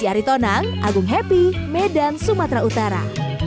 aritonang agung happy medan sumatera utara